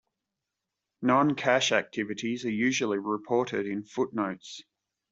Non-cash activities are usually reported in footnotes.